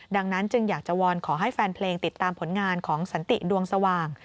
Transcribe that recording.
ดังนั้นจึงอยากจะวอนขอให้แฟนเพลงติดตามผลงานของสันติดวงสว่าง